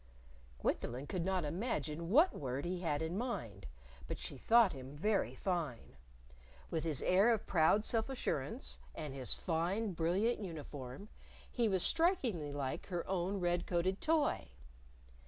Gwendolyn could not imagine what word he had in mind, but she thought him very fine. With his air of proud self assurance, and his fine brilliant uniform, he was strikingly like her own red coated toy!